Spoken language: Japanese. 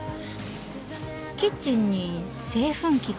キッチンに製粉機が。